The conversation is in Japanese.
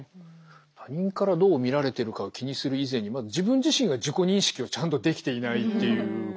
他人からどう見られてるかを気にする以前にまず自分自身が自己認識をちゃんとできていないっていうことなんですかね。